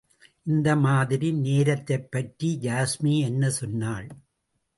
இந்த மாதிரி நேரத்தைப்பற்றி யாஸ்மி என்ன சொன்னாள்.